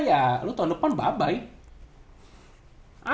ya lu tahun depan bye bye